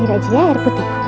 air aja ya air putih